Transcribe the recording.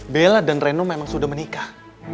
bella dan reno memang sudah menikah